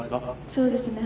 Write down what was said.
そうですね。